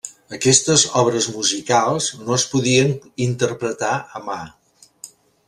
Aquestes obres musicals no es podien interpretar a mà.